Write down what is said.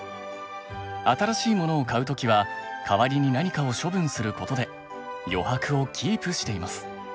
新しいものを買う時は代わりに何かを処分することで余白をキープしています。